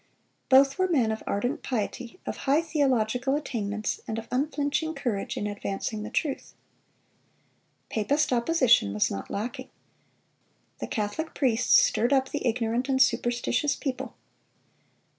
Both were men of ardent piety, of high theological attainments, and of unflinching courage in advancing the truth. Papist opposition was not lacking. The Catholic priests stirred up the ignorant and superstitious people.